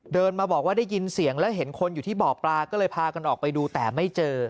เดินมาบอกว่าได้ยินเสียงแล้วเห็นคนอยู่ที่บ่อปลาก็เลยพากันออกไปดูแต่ไม่เจอ